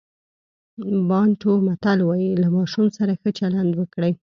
بانټو متل وایي له ماشوم سره ښه چلند وکړئ.